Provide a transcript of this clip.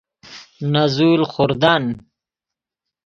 نزول خوردن